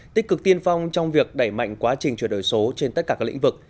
tích cực tiên phong trong việc đẩy mạnh quá trình chuyển đổi số trên tất cả các lĩnh vực